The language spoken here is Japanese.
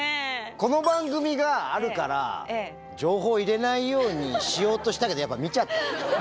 この番組があるから情報を入れないようにしようとしたけどやっぱ見ちゃった。